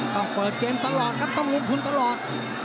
ต้องเปิดเกมตลอดครับต้องลงทุนตลอด